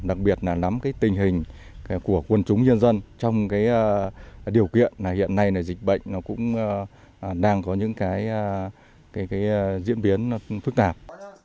đặc biệt là nắm tình hình của quân chúng nhân dân trong điều kiện hiện nay dịch bệnh cũng đang có những diễn biến phức tạp